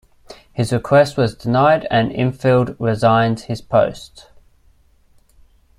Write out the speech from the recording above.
His request was denied and Infeld resigned his post.